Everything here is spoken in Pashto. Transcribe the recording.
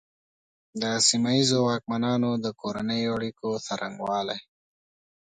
د سیمه ییزو واکمنانو د کورنیو اړیکو څرنګوالي.